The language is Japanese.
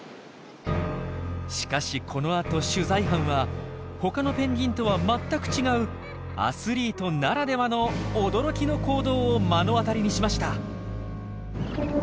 しかしこの後取材班は他のペンギンとは全く違うアスリートならではの驚きの行動を目の当たりにしました。